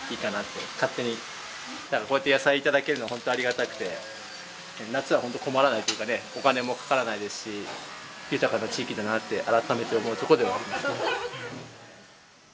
こうやって野菜をいただけるのは本当にありがたくて夏は本当に困らないというかねお金もかからないですし豊かな地域だなって改めて思うところではありますね。